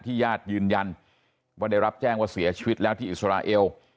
ญาติยืนยันว่าได้รับแจ้งว่าเสียชีวิตแล้วที่อิสราเอล